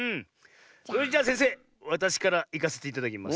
それじゃせんせいわたしからいかせていただきます。